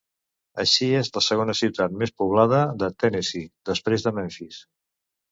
Així, és la segona ciutat més poblada de Tennessee, després de Memphis.